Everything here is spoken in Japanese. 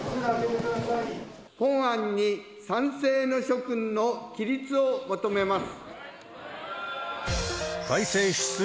本案に賛成の諸君の起立を求めます。